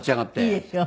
いいですよ。